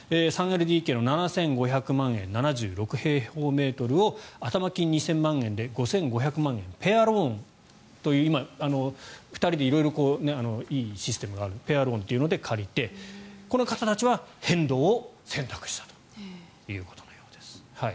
３ＬＤＫの７５００万円７６平方メートルを頭金２０００万円で５５００万円のペアローンという２人で色々いいシステムがあってペアローンというので借りてこの方たちは変動を選択したということのようです。